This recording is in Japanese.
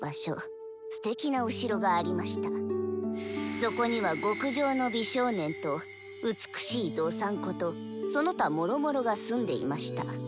そこには極上の美少年と美しいドサンコとその他もろもろが住んでいました。